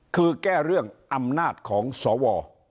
คือแก้เรื่องอำนาจของสว